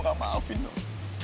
enggak maafin dok